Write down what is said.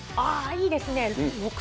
いいですね。